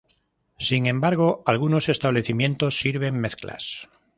Sin embargo, algunos establecimientos sirven mezclas.